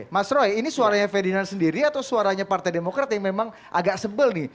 mas roy ini suaranya ferdinand sendiri atau suaranya partai demokrat yang memang agak sebel nih